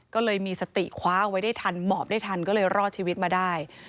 ก็เลยมีสติคว้าเอาไว้ได้ทันหมอบได้ทันก็เลยรอดชีวิตมาได้